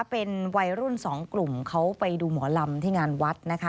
เป็นวัยรุ่นสองกลุ่มเขาไปดูหมอลำที่งานวัดนะคะ